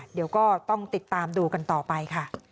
เดี๋ยวก็ต้องติดตามดูกันต่อไปค่ะ